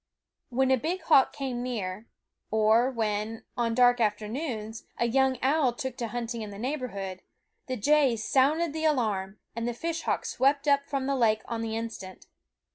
When a big hawk came near, or when, on dark afternoons, a young owl took to hunting in the neighborhood, the jays sounded the alarm, and the fishhawks swept up from the lake on the instant.